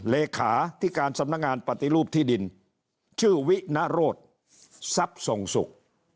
เลขาที่การสำนักงานปฏิรูปที่ดินชื่อวินโรธทรัพย์ส่งสุข